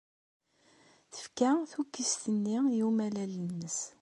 Tefka tukkist-nni i umalal-nnes.